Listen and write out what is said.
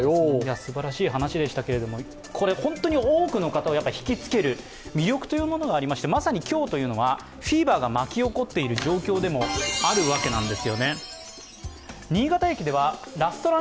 すばらしい話でしたけど、多くの人を引きつける魅力というのがありましてまさに今日というのはフィーバーが巻き起こっている状況でもあるわけです。